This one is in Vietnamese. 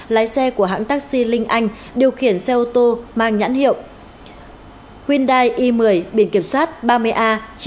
lái xe của hãng taxi linh anh điều khiển xe ô tô mang nhãn hiệu hyundai i một mươi biển kiểm soát ba mươi a chín mươi nghìn chín trăm ba mươi bảy